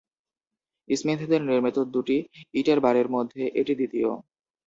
স্মিথদের নির্মিত দুটি ইটের বাড়ির মধ্যে এটি দ্বিতীয়।